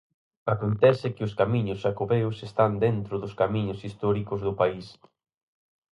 Acontece que os camiños xacobeos están dentro dos camiños históricos do país.